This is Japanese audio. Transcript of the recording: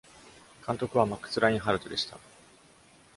監督は、マックス・ラインハルトでした。